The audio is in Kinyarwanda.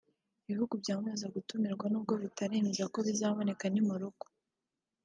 Ibihugu byamaze gutumirwa n’ubwo bitaremeza ko bizaboneka ni Morocco